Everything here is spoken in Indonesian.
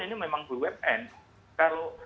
ini memang berweb end kalau